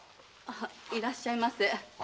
いらっしゃいませ。